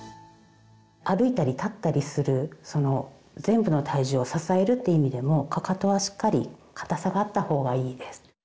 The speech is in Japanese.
歩いたり立ったりするその全部の体重を支えるって意味でもかかとはしっかり硬さがあった方がいいです。